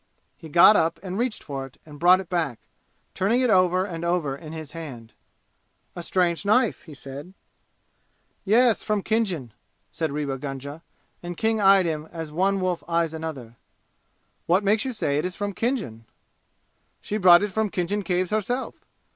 He got up and reached for it and brought it back, turning it over and over in his hand. "A strange knife," he said. "Yes, from Khinjan," said Rewa Gunga, and King eyed him as one wolf eyes another. "What makes you say it is from Khinjan?" "She brought it from Khinjan Caves herself!